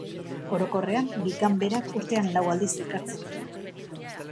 Orokorrean, bi ganberak urtean lau aldiz elkartzen dira.